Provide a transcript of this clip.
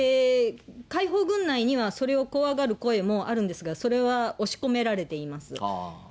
解放軍内には、それを怖がる声もあるんですが、それは押し込められています。